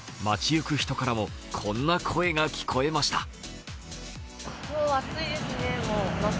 街行く人からもこんな声が聞こえました。